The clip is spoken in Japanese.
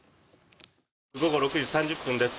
午後６時３０分です。